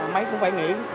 máy cũng phải nghỉ